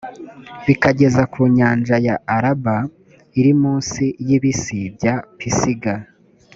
bikageza ku nyanja y’araba iri mu nsi y’ibisi bya pisiga.